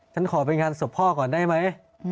ฉันขอไปงานศพพ่อก่อนได้ไหม